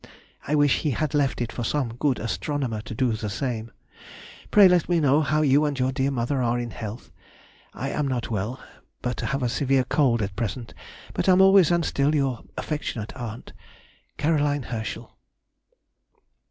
I wish he had left it for some good astronomer to do the same. Pray let me know how you and your dear mother are in health; I am not well, but have a severe cold at present, but am always and still your affectionate aunt, CAR. HERSCHEL. [Sidenote: 1823. _Letter to Miss Herschel.